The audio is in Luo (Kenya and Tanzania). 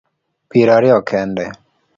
Piero ariyo kende